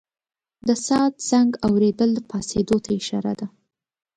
د ساعت زنګ اورېدل پاڅېدو ته اشاره ده.